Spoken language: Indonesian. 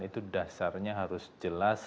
itu dasarnya harus jelas